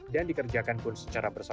dan dikerjakan pun secara langsung